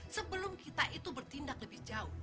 sebelum kita itu bertindak lebih jauh